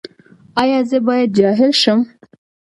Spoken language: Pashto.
ایا زه باید جاهل شم؟